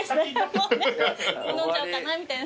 もう飲んじゃおうかなみたいな。